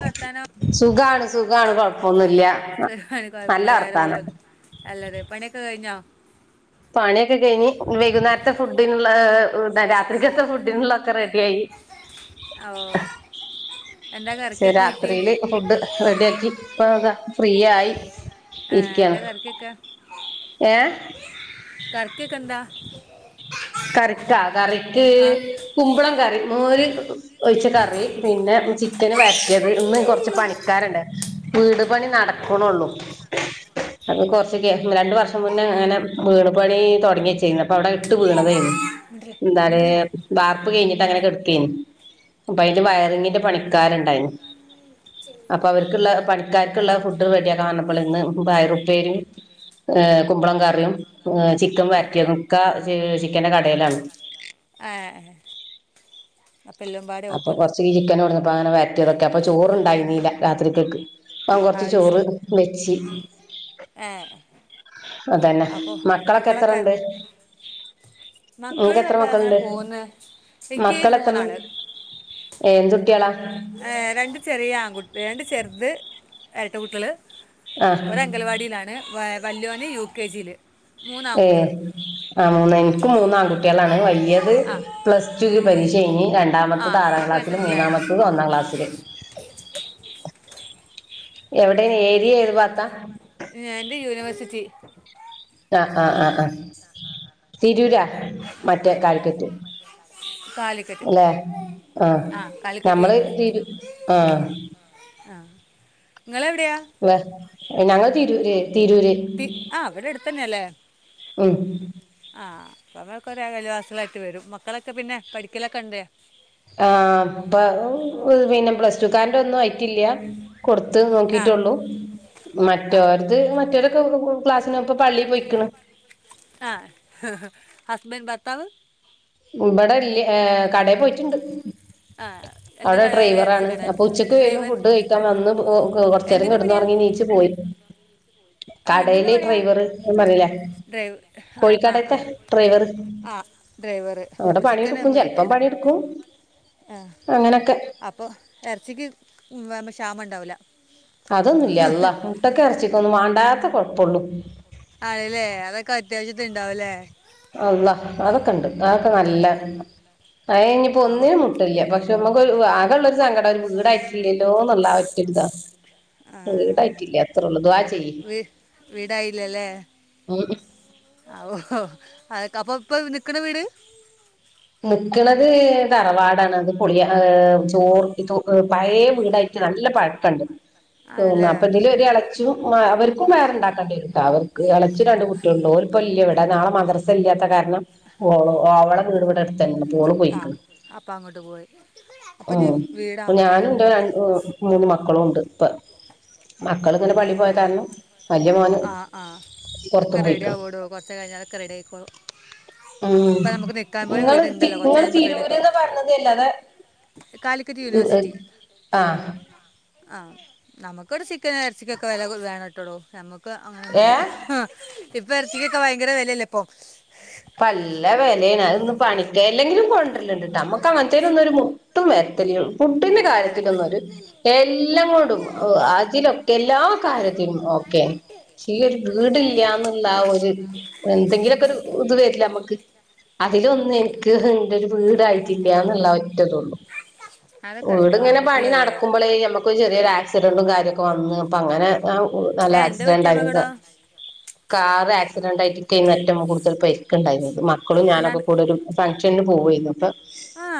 വർത്താനം സുഖാണ് സുഖാണ് കൊഴപ്പൊന്നൂല്ല നല്ല വർത്താനം. അല്ലാതെ, പണിയൊക്കെ കഴിഞ്ഞോ? പണിയൊക്കെ കഴിഞ്ഞ് വൈകുന്നേരത്തെ ഫുഡിനുള്ള രാത്രിക്കത്തെ ഫുഡിനുള്ള ഒക്കെ റെഡി ആയി. അഓ പക്ഷെ രാത്രിയില് ഫുഡ് റെഡിയാക്കി ഇപ്പൊ ഫ്രീ ആയി. ആ ഇരിക്കാണ് എന്താ കറിക്കൊക്കെ ഏ കറിക്കൊക്കെ എന്താ? കറിക്കാ കറിക്ക് ആ കുമ്പളം കറി മോര് ഒഴിച്ച കറി പിന്നെ ചിക്കന് വര്ട്ട്യേത് ഇന്നും കൊർച്ച് പണിക്കാര്ണ്ട് വീട് പണി നടക്ക്ണൊള്ളു അപ്പോ കൊർച്ച് ഗ്യാപ് വ രണ്ടു വർഷം മുന്നേ അങ്ങനെ വീടു പണീ തൊടങ്ങിയെച്ചീന്നു അപ്പൊ അവ്ടെ ഇട്ട് വീണതെയ്ന്നു മിണ്ടല്ലേ ന്താണ് മിണ്ടല്ലേ വാർപ്പ് കയ്ഞ്ഞ് അങ്ങനെ കെട്ക്കെയ്‌നു ന്തായാലും വയറിങ്ങിന്റെ പണിക്കാര് ണ്ടായിനു അപ്പൊ അവര്ക്ക്ള്ള പണിക്കാർക്ക്ള്ള ഫുഡ് റെടിയാക്കാപർഞ്ഞപ്പള് ഇന്ന് പയറുപ്പേരീം ഏ കുമ്പളൻ കറിയും പിന്നെ ചിക്കൻ ആ വരട്ട്യേതും ക്ക ഏ ചിക്കന്റെ കടേലാണ് ആ അപ്പം എല്ലാം പാടെ അപ്പൊ ഒപ്പന്ന് കൊർച്ച് ചിക്കന് കൊട്ന്നപ്പാങ്ങനെ വര്ട്ട്യേതൊക്കെ അപ്പോ ചോറണ്ടായ്നീല്ല രാത്രി ക്കെക്ക് ഓൻ കൊർച്ച് അത് ചോറ് ശരി വെയ്ച്ചി ആ അതെന്നെ മക്കളൊക്കെത്രണ്ട് മക്കള്തൊക്കെ അങ്ങനെ പോവ്ന്ന് ഇൻക്കീ മൂന്നാള് ഏന്ത് ഏ രണ്ട് ചെറിയ ആൺകുട്ട് രണ്ട് ചെർത് എര്ട്ട കുട്ടിയേള് ആ ഓരഅങ്കൽവാടീലാണ് വ വല്യോന് യു കെ ജീ ല് ഏ ആ നെൻക് മൂന്ന് ആൺകുട്ട്യാളാണ് വല്യേത് ആ പ്ലസ് ടുകിൽ പരീക്ഷ ആ എയ്ഞ്ഞിരണ്ടാമത്തത് ആറാം അത്രയൊക്കെ ക്ലാസില് വയസ്സുണ്ടല്ലേ മൂന്നാമത്തത് ഒന്നാം ക്ലാസില് എവിടേണ് ഏരിയ ഏത് ഭാത്താ ഞാൻ യൂനിവേഴ്സിറ്റി ആ ആ ആ ആ തിരൂരാ മറ്റേ ഏഹ്, കാൽക്കറ്റ് കാലിക്കറ്റ് ല്ലെ ആ കാലിക്കറ്റ് ഞമ്മള് യൂണിവേഴ്സിറ്റി [unintelligible] ആ ആ നിങ്ങളെവിടെയാ വ അ ഞങ്ങള് തിരൂര് തിരൂര് തി ആ വിടെ അടുത്തന്നെല്ലേ ഉം ആ [unintelligible] ക്ക ഒരെ അയൽവാസ്യേളായിട്ട് വരും മക്കളൊക്കെ പിന്നെ പഠിക്കലൊക്കെ ണ്ടെ ആ പ്പ എർ പിന്നെ പ്ലസ് ടു കാര്ടെഒന്നു ആയിറ്റില്ല കൊടുത്ത് ആ നോക്കീറ്റൊള്ളൂ ആ മറ്റോര്ത് മറ്റൊലൊ [unintelligible] ക്ലാസ്സിനൊക്കെ പള്ളീ പൊയ്ക്ക്ണ് ആ ഹസ്ബൻ്റ് ഭർത്താവ് ഇബടല്ല ഏ കടേ പോയ്റ്റ്ണ്ട് ആ എന്താ അവ്ടെ കട ഇറച്ചി ഡ്രൈവറാണ് കട അപ്പൊ ഉച്ചക്ക് വരും ഡ്രൈവർ ഫുഡ് കഴിക്കാൻ വന്ന് പ് ഒ കൊ കൊർച്ചേരം എന്തിൻ്റെ കെടന്നൊറ പണിയാ ഉറങ്ങി നീച്ച് പോയി ആ എന്തിൻ്റെ കടേല് പണിയാ ഡ്രൈവറ് എന്നറീലെ ഡ്രൈവ് ഹാ ആ ആ ആ ഡ്രെ അവ്ടെ പണിട്ക്കും ചെൽപ്പൊ പണിട്ക്കും ആ അപ്പോ എർച്ചിക്ക് വാമക്ഷാമണ്ടാവുല അതൊന്നുല്ല അള്ളാ മുട്ടക്കു അർച്ചിക്കൊന്നും വാണ്ടാത്ത കൊഴ്പ്പൊള്ളു ആണ്ലേ അതൊക്കെ [unintelligible] ണ്ടാവുല്ലേ അള്ളാ അതൊക്കണ്ട് അതൊക്കെ നല്ല അഏ ഞ്ഞിപ്പോ ആവോ ഒന്നിനും മുട്ട്ല്ല പക്ഷെ മ്മക്കൊ വ ആകെള്ളൊരു സങ്കടം വീടായ്റ്റില്ലല്ലോ ന്ന്ള്ള ആ ഒറ്റൊരു താ ആ, വീടായ്റ്റില്ല അത്രൊള്ളൂ ദുആ ചെയ്യിം [inaudible] വീ- അവൊ ഹൊ അഹ് ക്കപ്പൊ പ്പൊ ന്ക്ക്ണ വീട് ന്ക്ക്ണത് തറവാടാണ് അത് പൊളിയ ഏ തറവാട് ചോർക്കി ചൊ ഏ പയേ വ് ആ ആണല്ലേ അവർക്കും വേറെണ്ടാക്കണ്ട്യേരും ട്ടോ അവര്ക്ക് എളേച്ഛന് രണ്ട് കുട്ടിയേള്ണ്ട് ഓല് പ്പ ല്ല്യ വടെ നാളെ മദ്രസ ഇല്ല്യാത്ത കാ [unintelligible] [unintelligible] ആ പൊയ്ക്ക്ണ് അപ്പം അങ്ങോട്ട് പോയി അപ്പം ഇനി ഉം പ്പൊ വീടാവണം ഞാനും ന്റെ രൺ മു മൂന്ന് മക്കളൂണ്ട് പ്പൊ മക്കളിങ്ങനെ പള്ളി പോയ കാരണം വലിയ മോന് പൊറത്തും പോയിക്ക്ണ് അതൊക്കെറെഡിയാവോടോ കുറച്ച് കയിഞ്ഞ അതൊക്കെ റെഡിയായി ഉം നിൽക്കാൻ പോലും ഇങ്ങള് വീടുണ്ടല്ലോ കുറച്ച് ഇങ്ങള് കഴിയുമ്പോൾ റെഡി ആയിക്കോളും തീരൂരേന്ന് പറഞ്ഞതല്ലാതെ കാലിക്കറ്റ് യൂനീവേഴ്‌സിറ്റി ആഹ് ആ നമുക്കിവിടെ ചിക്കൻ ഇറച്ചിക്കൊക്കെ വില വേണട്ടോടോ നമ്മക്ക് ഇപ്പ അങ്ങനൊന്നുല്ല ഏഹ് ഇപ്പ എറച്ചിക്കൊക്കെ ഭയങ്കര വിലല്ല ഇപ്പൊ പല്ല വെലേണ് അതൊന്ന് പണിക്ക് എല്ലെങ്കിലും കൊണ്ടരലുണ്ട്ട്ടോ നമുക്ക് അങ്ങനത്തേനും ഒന്നും ഒരു മുട്ടും വര ആ, ഫുഡിന്റെ അല്ല ഇത് കാര്യത്തിലൊന്നരു എല്ലാം കോണ്ടും ആയിച്ചി ലൊക്കെ എല്ലാ കാര്യത്തി തിനും ഓക്കെ ഈ ഒരു വീടില്ലന്നുള്ള ഒരു എന്തെങ്കിലൊക്കെരുത് വരില്ലമ്മക്ക് അതിലൊന്നും എനിക്ക് ഒരു വീടായിട്ടില്ലാന്നുള്ള ഒറ്റ ഇതൊള്ളൂ അതൊക്കെ ഇട്ക്കാ ആൺകുട്ടിള് അല്ലേ ഇപ്പ ചെറിയൊരു ആക്സിഡന്റും കാര്യൊക്കെ വന്ന് അപ്പൊ അങ്ങനെ ആ നല്ല ഏ എന്താ ആക്സിഡന്റ് പറ്റിയ ആയിരിക്ക അപകടം കാർ ആക്സിഡന്റ് ആയിട്ട് ഇനിക്കൈ നല്ല മോ പേരിക്ക്ണ്ടയിന്നു ഇത് മക്കളും ഞാനൊക്കെ എന്നാണ് കൂടീട്ട്ഫങ്ഷന് പോവായിരുന്നു ആ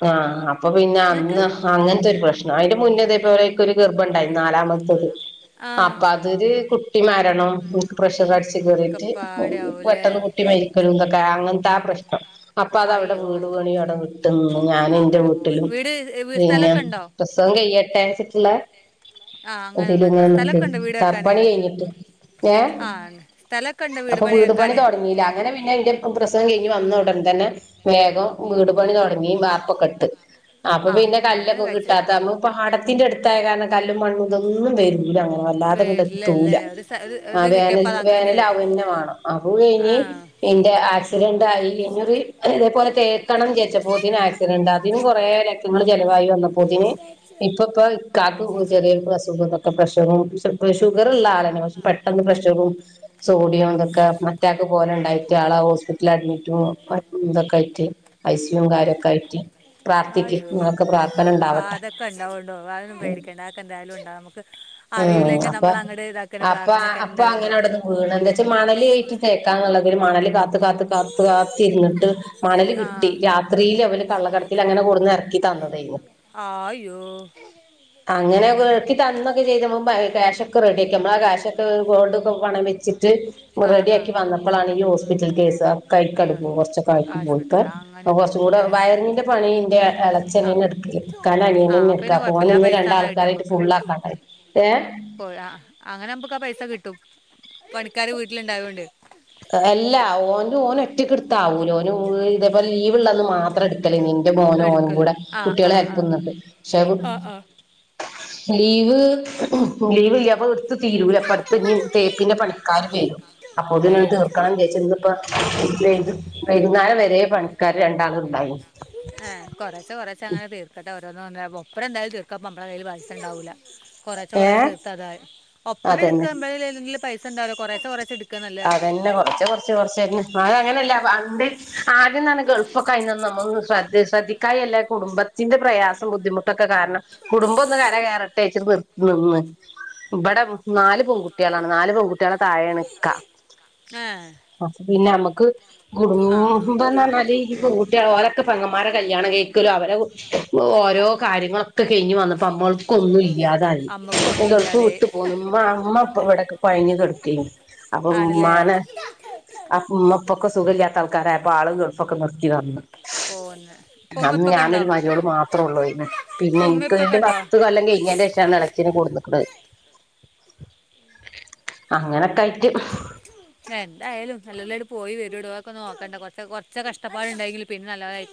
പ്പോ ആ.. ആം ഇപ്പൊ പിന്നെ എന്നിട്ട് അന്ന് അങ്ങനത്തെരു പ്രശ്നം അതിന്റെ മുന്നെ ഇതേ പോലെ ഇക്കൊരു ഗർഭണ്ടായിന്നു നാലാമത്തത് നാലാമത്തത് ആ അപ്പൊ അതില് കുട്ടി മരണോ ഇനിക്ക് പ്രഷർ അടിച്കേറീട്ട് മിക്കപ്പാടാവൂലേ പെട്ടെന്ന് കുട്ടി മരിക്കലും തൊക്കെ അങ്ങനത്തെ ആ പ്രശ്നം അപ്പൊ അത അവിടെ അയ്യോ വീട് പണി അവിടെ വിട്ടു നിന്നു ഞാ ഞാനിന്റെ അങ്ങനെ പോയി വീട്ടിലും വീട് വീ- പിന്നെ സ്ഥലമൊക്കെ ഉണ്ടോ പ്രസവം കെയ്യട്ടെ ച്ട്ട് ള്ളെ ആ അങ്ങനെ ഒന്നുണ്ടോ സ്ഥലമൊക്കെ ഉണ്ടോ [unintelligible] വീട് വെക്കാൻ തറപ്പണി കഴിഞ്ഞിട്ട് ഏഹ് ആ സ്ഥലോക്കണ്ടോ വീട് പണി വെക്കാന് തോടങ്ങീല അങ്ങനെ പിന്നെ എന്റെ പ്രസവം കഴിഞ് വന്ന ഉടൻ തന്നെ വേഗം വീട് പണി തുടങ്ങി വാർപ്പൊക്കെട്ട് അപ്പൊ ആ പിന്നെ അതുകൊണ്ടാണ് കല്ലൊക്കെ കഴിച്ചത് കിട്ടാത്തഅന്ന് പാട ത്തിന്റെ അടുത്തായ കാരണം കല്ലും മണ്ണുതൊന്നും വരും [unintelligible] എത്തൂല വരില്ലല്ലേ ഒരു സ- ഒരു ഇത് കിട്ടിയപ്പോൾ അവേനൽക് അത് അങ്ങനെയായി വേനലാവേന്നെ വേണം ആ ഇനി ആ ഇന്റെ ആക്സിഡന്റ് ആയി കഴിഞ്ഞകുറി ഇതേപോലെ തേക്കണം വിചാരിച്ചപ്പോത്തിന് ആക്സിഡന്റ് ത അതിനും കൊറേ ലക്ഷങ്ങൾ ചെലവായി വന്നപ്പോത്തിന് ഇപ്പപ്പോ ഇക്കാക്ക് ചെറിയൊരു അസുഖംതക്കെ ഇപ്പോ പ്രഷറും ഷുഗറ ഉള്ള ആളെന്നെ പക്ഷെ പെട്ടെന്ന് പ്രഷറും സോഡിയം ഇതൊക്കെ അറ്റാക്ക് പോലുണ്ടായിട്ട് ആളെ ഹോസ്പിറ്റലിൽ അഡ്മിറ്റും ഇതൊക്കെ ആയിട്ട് ഐസിയും കാര്യൊക്കെ ആയിട്ട് പ്രാർത്ഥിക്ക് അയ്യോ നിങ്ങളൊക്കെ പ്രാർത്ഥന ആ ഉണ്ടാവട്ടെ അതൊക്കെ ഇണ്ടാവണ്ടോ അതന്നും പേടിക്കേണ്ട അതൊക്കെ എന്തായാലും ഉണ്ടാവും നമക്ക് ഉം അറിയുല്ലെങ്കിൽ നമ്മൾ അങ്ങട് എയ്ദ അപ്പ അപ്പൊ അങ്ങനെ അങ്ങട് വീണ് എന്താ വച്ചാ മണല് കയറ്റി തേക്കന്ന് ള്ളതില് പിന്നെ മണല് കാത്ത് കാത്ത് കാത്ത് കാത്തിരുന്നിട്ട് മണൽ കിട്ടി ആഹ് രാത്രിയിൽ അവൽ കള്ള കടത്തി അങ്ങനെ കൊടുന്ന് ഇറക്കിത വന്നതയിന്നു ആ യ്യോ അങ്ങനെ അവർ എറക്കി തന്നു വരും മുമ്പ് കാഷൊക്കെ റെഡി ആക്കി നമ്മൾ ആ കാഷോക്കെ ഗോൾഡ് പണം വെച്ചിട്ട് ആഹ് റെഡിയാക്കി ആഹ് വന്ന അപ്പളാണെങ്കിൽ ഹോസ്പിറ്റൽ [unintelligible] യ്യോ ആശുപത്രി അങ്ങനിം കുറച്ചു കൂടെ പോയില്ലേ വയറിങ്ങിന്റെ പണിന്റെ ആഹ് അച്ഛനെന്നെ എടുകയ് ഇക്കാന്റെ ആഹ് അനിയനന്നെ അപ്പ ഇട്ക പിന്നെ ഓന് ഇന്ന് പൈസ രണ്ടാ ൾ അങ്ങനെ കിട്ടും ക്കാരായിട്ട് നമ്മക്ക് ഫുൾ ആക്കണ്ടായിന്ന് പോ ആ അങ്ങനെ നമ്പ ക്കാ ആ പൈസ കിട്ടും പണിക്കാര് വീട്ടിലുണ്ടായോ ണ്ട് ഓൻ ഓൻ ഒറ്റക്കിടുത്താവൂല ഓന് ഇതേപലെ ലീവ് ഉള്ളന്ന് മാത്രം ഇടക്കലയിന്നു ഇന്റെ മോനും ഓനും എടുക്കല് കൂടെ ആഹ് കുട്ടിആളെ ആഹ് ആഹ് അടുത്ത്ന്ന്ട്ട് പക്ഷെ ആ ആഹ് ആഹ് ലീവ് ലീവ്കയ്യാ അപ്പൊ ഇടുത്ത് തീരൂല ഇപ്പഅടുത്ത് ഇഞ്ഞി തേപ്പിന്റെ പണിക്കാരിന്റായിന് അപ്പോത്തിന് ഇക്കാനെങ്കി ഇച്ച് ഇന്ന്പ്പോ വരും വൈകു വൈകുന്നേരം വരെ പണിക്കാര് രണ്ടാള് ഇണ്ടായിന്നു ഇപ്പങ്ങനെ തീർക്കട്ടെ ഒരോന്ന് ഒരോന്ന് ഒപ്പരം എന്തായാലും തീർക്കാണ് പമ്മളെ കയ്യില് ബാലൻസ് ഇണ്ടാവൂല കൊറേച്ചേ കൊറേച്ചേ ഏഹ് തീർത്ത അതായി അതന്നെ ഒപ്പരെട്ക്കാമ്പഴാല്ലെങ്കിലും പൈസണ്ടാകൂല കൊറേച്ചേ കൊറേച്ചേ ഇട് അതന്നെ കൊറച്ച് കൊറച്ച് കൊറചെന്നെ ന്നാലും അങ്ങനെയല്ല പണ്ടേ ആദ്യന്നാണ് ഗൾഫൊക്കെ അയ്ന്ന് നമ്മക്ക് ശ്രദ്ധി ശ്രദ്ധിക്കായല്ല കുടുംബത്തിന്റെ പ്രയാസം ബുദ്ധിമുട്ടൊക്കെ കാരണം കുടുംബം ഒന്ന് കരകേറട്ടേച്ചി നിർ നിന്ന് ഇവിടെ നാല് പൊൺകുട്ടികളാണ് നാല് പെൺകുട്ടികളെ താഴെയാണ് ക്കാ ആഹ് പിന്നെയമക്ക് കുടുംമ്പെന്നാല് പൊൺകുട്ടികളാ ഓരൊക്കെ പെങ്ങന്മാര കല്യാണം കെയ്ക്കുവലോ അവര ഓരോ കാര്യങ്ങളൊക്കെ കഴിഞ്ഞ് വന്നപ്പോ നമ്മൾക്കൊന്നും ഇല്ലാതായി അമ്മക്കൊന്നുല്ല ഇതൾക്ക് അതെ വിട്ട് പോന്നംമാ അമ്മ പ്പ ഇവിടക്കെ കൊഴഞ്ഞ് കെടക്കേരിന്നു അപ്പം ആണല്ലേ ഉമ്മാന അപ്പൊ ഉമ്മ പ്പൊക്കം സുഖമില്ലാത്ത ആൾക്കാരായപ്പോ ആള്കൊൾപ്പൊക്കെ നിർത്തി വന്നു പോന്നേ അന്ന് ഞാനൊരു മരിയോള് മാത്രെള്ളു വേരിന്ന് പിന്നെ ഇപ്പൊ ഉമ്മ എൻക്ക് ഇപ്പൊക്കെ വേണ്ടി ഉണ്ടോ പത്ത് കൊല്ലം കഴിഞ്ഞേന്റെ ശേഷമാണ് [unintelligible] ച്ചത് ത്തിന് കൊടുന്ന് അങ്ങനൊക്കെ ആയിറ്റ് എന്തായാലും നല്ലോല്ലായിട്ട് പോയി വരുടു അതൊക്ക ഒന്നു നോക്കട്ടേ കൊറച്ച കൊറച്ച് കഷ്ടപ്പാടുണ്ടെങ്കില് പിന്നെ നല്ലതായി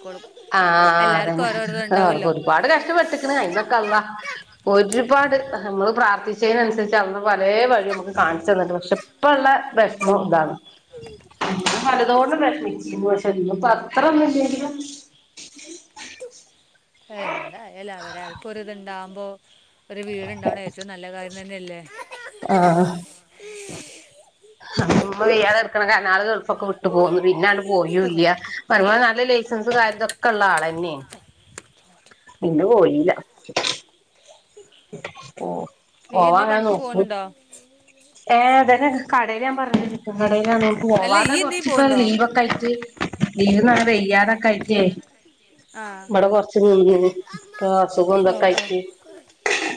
ആഹ് അതന്നെ ആ ഉണ്ടാവുമല്ലോ ഒരുപാട് കഷ്ടപ്പെട്ടിക്കണ് അയിന്നൊക്ക അള്ള ഒരുപാട് പാട് നമ്മള് പ്രാർത്ഥി പച്ചേനനുസരിച്ച് അള്ള് പലേ വഴി നമുക്ക് കാണിച്ചു തന്നിക്കണ് പക്ഷെ ഇപ്പള്ള വെഷ്മം ഇതാണ് പലതോണ്ട് വെഷമിച്ചിരുന്നു ഇമോഷന്നും അപ്പത്രൊന്നും ഇല്ലേലും എന്താ എല്ലാവരും അൽപ്പൊരിതിണ്ടാവുമ്പോ ഒരു വീട്ണ്ടാവണേ ഏശോം നല്ല കാര്യ തന്നെയല്ലേ ആഹ് അമ്മുമ്മ വെയ്യാതെ കെടുക്കണകാരാണം ആളുകള് എൽഫക്കോം ട്ട് പോന്ന് പിന്നാ ആട്ട് പോയോല്ല്യാ [unintelligible] ലൈസൻസ് കാര്യതൊക്കള്ള ആളെന്നേ പിന്നെ പോയില്ലാ ഓഹ് ഈ എന്തീ പോവാങ്ങനെ പണിക്ക് നോക്കും പോകുന്നുണ്ടോ ഏഹ് അതന്നേണ് കടേല് ഞാൻ പറഞ്ഞ് ചിക്കൻ കടേലാണ് [unintelligible] അല്ല ഈ പോവാതെ എന്തീ കൊറ്ച്ചിപ്പം പോകുന്നുണ്ടോ ലീവൊക്കായിറ്റ് നീയ് നാളെ വെയ്യാതക്കാഴ്റ്റേ ആ മ്മ്ട കൊറച്ച് നിന്നേ ഇപ്പോ സുഖൊണ്ടക്കായ്റ്റ് [unintelligible]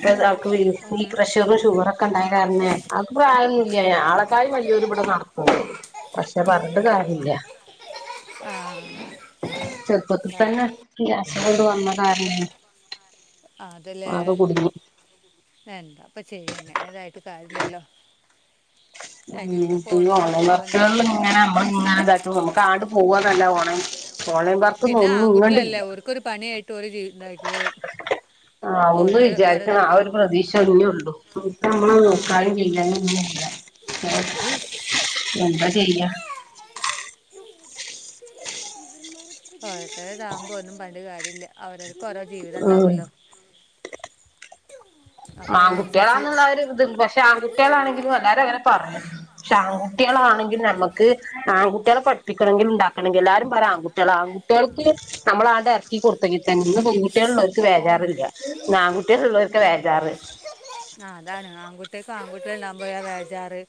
യ് നീ പ്രഷറും ഷുഗറൊക്കെ ഉണ്ടായകാരണേ അവക്ക് പ്രായൊന്നുന്നില്ല്യാ ആളെക്കായ വല്യൂര് ഇവിടെ നർക്കും പക്ഷെ പറഞ്ഞിട്ടും കാര്യയില്ല ആ ചെറുപ്പത്തി തന്നെ തു വന്നതാണേ അതല്ലേ അതുകുടുങ്ങി അപ്പൊ ചെയ്യേന്നെ ഇതായിട്ട് കാര്യല്ലല്ലോ ഉം ഈ ഓൺലേൻവർഷം ഇങ്ങനെ നമ്മള് ഇങ്ങനെ ഇതായിറ്റു പോവുമ്പം നമ്മള് കാണും പോവ്വാന്നല്ല ഒണങ്ങി പിന്നെ ആൺകുട്ടിയല്ലേ ഓര്ക്കൊരു പണിയായിട്ട് ഓര് ജീവിതാക്കോളും ആ ഒന്ന് വിചാരിക്കണം ആ ഒരു പ്രതീക്ഷ ഒന്നേ ഉള്ളൂ നമ്മള് ആ നോക്കാനും ചെയാനും ഒന്നുല്ല എന്താ ചെയ്യാ പഴേതാവുമ്പോ ഒന്നും പറഞ്ഞിട്ട് കാര്യല്ല അവര് ഓരോ ജീവതം ഉം ഇണ്ടാവല്ലോ ആൺകുട്ടികളാന്ന് ഇള്ളാര് ഇത് പക്ഷെ ആൺകുട്ടികളാണെങ്കിലും വേറെ വേറെ പറഞ്ഞു ആൺകുട്ടികളാണെങ്കിൽ ഞമ്മക്ക് ആൺകുട്ടികളെ പഠിപ്പിക്കണമെങ്കിൽ ഉണ്ടാക്കണമെങ്കിൽ എല്ലാരും പറ ആൺകുട്ടികളാവും ആൺകുട്ടികൾക്ക് നമ്മളാണ്ടെ എറക്കി കൊടുത്തെങ്ങിട്ട് ഇന്ന് പെൺകുട്ടികളുള്ളോർക്ക് ബേജാറില്ല നാൺകുട്ടി ഉള്ളോർക്ക് വേജാറ് ആഹ് അതാണ് ആൺകുട്ടേക്ക് ആൺകുട്ടികള് ഇണ്ടാവുമ്പോഴാ വേജാറ്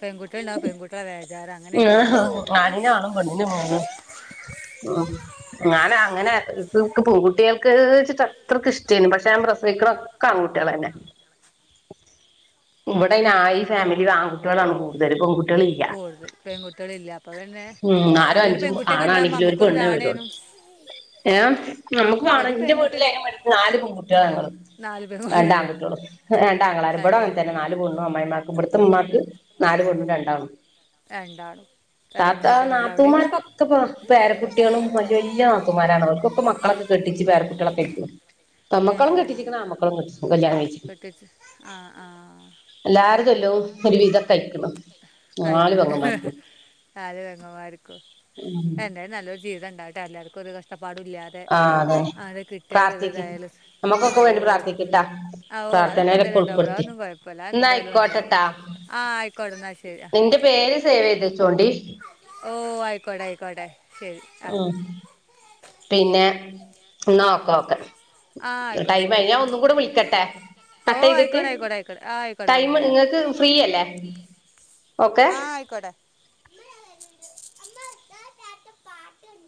പെൺകുട്ടി എന്താ പെൺകുട്ടികളാ വേജാറ് അങ്ങനെയൊക്കെയാണ് ആ ഇപ്പോഴത്തത് ആണിന് ആണും പെണ്ണിന് പെണ്ണും ഉം ഞാൻ അങ്ങനെ ഇക്ക് ക്ക് പൊൺകുട്ടികൾക്ക് വെച്ചിട്ടത്രക്ക് ഇഷ്ടേയിരുന്നു പക്ഷെ ഞാൻ പ്രസവിക്കണ് ഒക്കാ ആൺകുട്ടികള്തന്നെ ഇവിടെ ഞാഈ ഫാമിലില് ആൺകുട്ടികളാണ് കൂടുതൽ പെൺകുട്ടി കൂട്തൽ പെങ്കുട്ടിയളില്ലാ അത് തന്നെ ഉം ആരും നല്ലൊരു അഞ്ചും പെൺകുട്ടിയൊക്കണ്ടാവുമ്പം ആണാണെങ്കിലും ഒരു പെണ്ണേ വരുള്ളൂ നമ്മക്കൊരിതാണേനും ഏഹ് നമ്മക്ക് വാണം ഇന്റെ വീട്ടില് അയിനുവാണ്ടിട്ട് നാല് പെൺകുട്ട്യളാ ഞങ്ങള് നാല് പെൺകുട്ടികളെ രണ്ടാങ്കുട്ട്യോളും ഏഹ് രണ്ടാങ്ങളാരും ഇവടെ അങ്ങൻതന്നെ രണ്ടാൺകുട്ടി നാല് പെണ്ണും അമ്മായിമാക്കും ഇവട്ത്തെ ഇമ്മാക്ക് നാല് പെണ്ണും രണ്ടാണും രണ്ടാളും താത്ത അതേപോലെ തന്നെ എല്ലാവിടെയും നാത്തൂമാര്ക്കൊക്കപ്പൊ പേരക്കുട്ടിയളും വല്ല്യ വല്ല്യ നാത്തുന്മാരാണ് അവർക്കൊക്കെ മക്കളൊക്കെ കെ ട്ടിച്ച് പേരക്കുട്ടിളൊക്കേയിക്ക്ണു ഏ, പെമ്മക്കളും കെട്ടിച്ചിക്ക്ണ് ആമ്മക്കളും കെട്ടിച്ചിക്ക്ണ് കല്യാണം കഴിച്ച്ക്ക് കെട്ടിച്ച് ആ ആ എല്ലാരും ചൊല്ലും [unintelligible] ഒരു വിധൊക്കാഴിക്ക്ണു നാല് കഴിക്കണ് പെങ്ങന്മാര്ക്കും നാല് പെങ്ങമ്മാര്ക്കും എന്തായാലും നല്ലൊരു ജീവിതണ്ടാവട്ടെ എല്ലാവര്ക്കൊരു കഷ്ട പാടുല്ല്യാതെ ആഹ് അതന്നെ ആരെ കിട്ട്യാലു ഒര് ര് പ്രാർത്ഥിക്ക് ഇതായാലു നമ്മുക്കൊക്കെ വേണ്ടി ആവൂ പ്രാർത്ഥിക്ക്ട്ടാ ആ ഓ അതൊക്കെ പ്രാർത്ഥനയിലൊക്കെ എന്തായാലും ഉണ്ടാവുടാ ഉൾപ്പെടുത്തി അതൊന്നും കൊയപ്പില്ല ന്നാ അതെന്തായാലും ഉണ്ടാവും ആഹ് ആയിക്കോട്ടന്നാ ശെ എന്റെ പേര് സേവെയ്തച്ചോണ്ടി ഓഹ് ആയിക്കോട്ടെ ആയിക്കോട്ടെ ശരി ആ ഉം പിന്നെ എന്നാ ഓക്കെ ഓക്കെ ആ ആയിക്കോട്ടെ ശരി ടൈമായി ഞാഒന്നും കൂടെ വിളിക്കട്ടെ ഓ കട്ടെയ്തിട്ട് ആയിക്കോട്ടെ ആയിക്കോട്ടെ ആയിക്കോട്ടെ ആ ആയിക്കോട്ടെ ടൈം നിങ്ങക്ക് ഫ്രീയല്ലേ ആഹ് ആയിക്കോട്ടെ